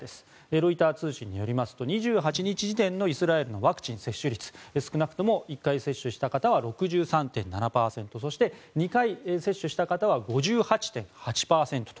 ロイター通信によりますと２８日時点のイスラエルのワクチン接種率少なくとも１回接種した方は６３．７％そして２回接種した方は５８．８％と。